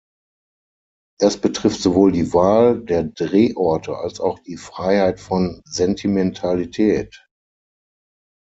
Das betrifft sowohl die Wahl der Drehorte als auch die Freiheit von Sentimentalität.